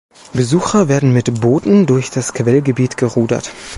Besucher werden mit Booten durch das Quellgebiet gerudert.